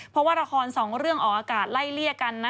เพราะว่าละครสองเรื่องออกอากาศไล่เลี่ยกันนะ